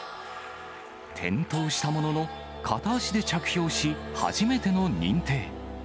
転倒したものの、片足で着氷し、初めての認定。